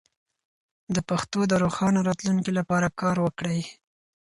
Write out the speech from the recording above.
د پښتو د روښانه راتلونکي لپاره کار وکړئ.